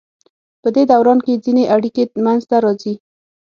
پدې دوران کې ځینې اړیکې منځ ته راځي.